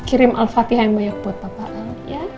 kirim al fatihah yang banyak buat papa al ya